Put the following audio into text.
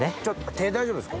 手大丈夫ですか？